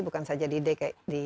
bukan saja di dekade